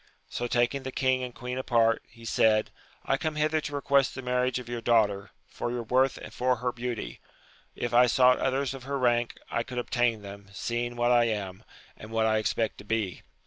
So taking the king and queen apart, he said, I come hither to request the marriage of your daughter, for your worth and for her beauty : if I sought others of her rank, I could obtain them, seeing what I am, and what I expect to be.